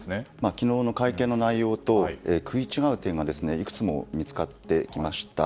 昨日の会見の内容と食い違う点がいくつも見つかってきました。